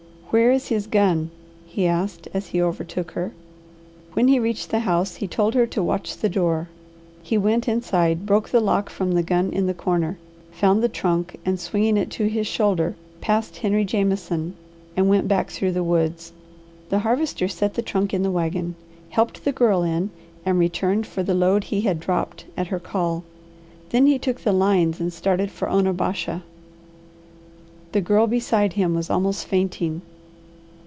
"Where is his gun?" he asked as he overtook her. When he reached the house he told her to watch the door. He went inside, broke the lock from the gun in the corner, found the trunk, and swinging it to his shoulder, passed Henry Jameson and went back through the woods. The Harvester set the trunk in the wagon, helped the Girl in, and returned for the load he had dropped at her call. Then he took the lines and started for Onabasha. The Girl beside him was almost fainting.